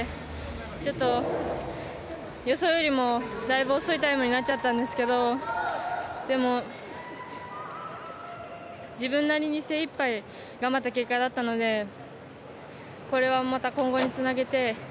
ちょっと、予想よりもだいぶ遅いタイムになっちゃったんですけどでも、自分なりに精いっぱい頑張った結果だったのでこれはまた、今後につなげて。